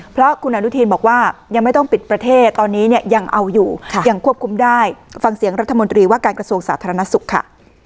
เพราะคุณอนุทินบอกว่ายังไม่ต้องปิดประเทศตอนนี้เนี่ยยังเอาอยู่ยังควบคุมได้ฟังเสียงรัฐมนตรีว่าการกระทรวงสาธารณสุขค่ะ